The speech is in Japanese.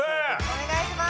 お願いします。